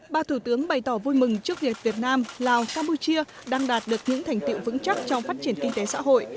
ba thủ tướng bày tỏ vui mừng trước việc việt nam lào campuchia đang đạt được những thành tiệu vững chắc trong phát triển kinh tế xã hội